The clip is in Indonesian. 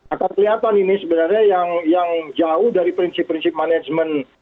akan kelihatan ini sebenarnya yang jauh dari prinsip prinsip manajemen